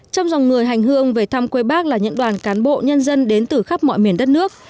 trong dòng người hành hương về thăm quê bác là những đoàn cán bộ nhân dân đến từ khắp mọi miền đất nước